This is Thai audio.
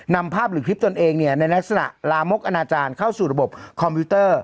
นำภาพหรือคลิปตนเองในลักษณะลามกอนาจารย์เข้าสู่ระบบคอมพิวเตอร์